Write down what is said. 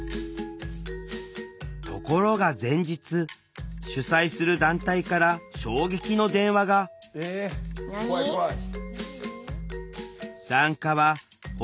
ところが前日主催する団体から衝撃の電話がえ怖い怖い。何？